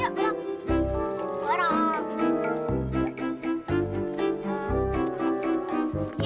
ya dasar ini gak nak kerja nih